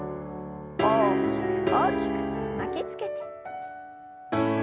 大きく大きく巻きつけて。